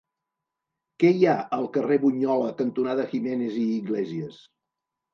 Què hi ha al carrer Bunyola cantonada Jiménez i Iglesias?